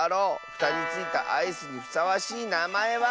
ふたについたアイスにふさわしいなまえは。